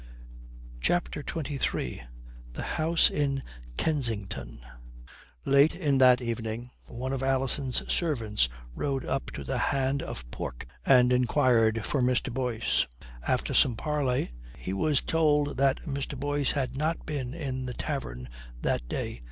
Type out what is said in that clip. CHAPTER XXIII THE HOUSE IN KENSINGTON Late in that evening one of Alison's servants rode up to the "Hand of Pork" and inquired for Mr. Boyce. After some parley, he was told that Mr. Boyce had not been in the tavern that day.